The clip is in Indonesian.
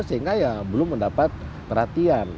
sehingga ya belum mendapat perhatian